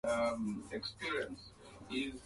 Nikule na wewe kila wakati